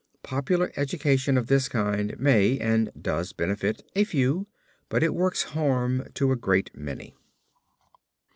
Popular education of this kind may, and does benefit a few, but it works harm to a great many.